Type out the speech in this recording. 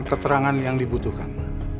keterangan yang dibutuhkan